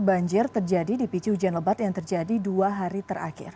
banjir terjadi di picu hujan lebat yang terjadi dua hari terakhir